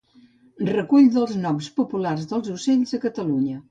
Recull dels noms populars dels ocells a Catalunya